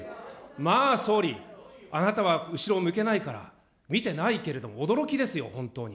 まあ総理、あなたは後ろを向けないから見てないけれども、驚きですよ、本当に。